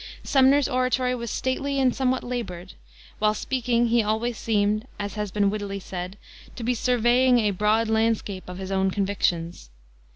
Sumner's oratory was stately and somewhat labored. While speaking he always seemed, as has been wittily said, to be surveying a "broad landscape of his own convictions."